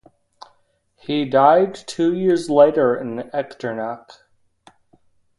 He died two years later in Echternach.